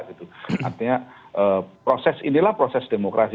artinya proses inilah proses demokrasi